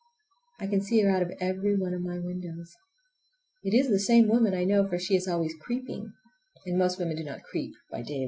I can see her out of every one of my windows! It is the same woman, I know, for she is always creeping, and most women do not creep by daylight.